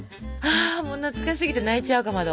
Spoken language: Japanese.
もう懐かしすぎて泣いちゃうかまど。